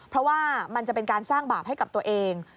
เพราะว่ามันจะเป็นการสร้างบาปให้กับตัวเอง